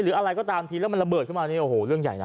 แล้วก็ตามทีก็ละเบิดขึ้นมาเลยวั้งใหญ่นะ